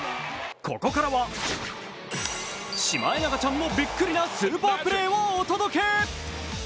ここからはシマエナガちゃんもびっくりなスーパープレーをお届け。